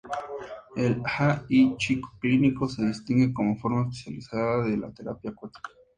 El Ai Chi clínico se distingue como forma especializada de la terapia acuática.